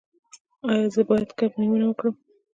ایا زه باید کب نیونه وکړم؟